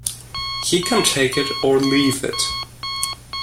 He can take it or leave it.